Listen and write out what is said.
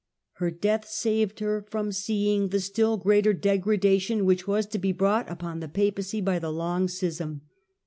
Her death saved her from seeing the still greater degradation which w^as to be brought upon the Papacy by the long Schism.